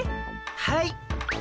はい。